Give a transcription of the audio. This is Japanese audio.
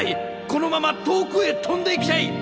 このまま遠くへ飛んでいきたい！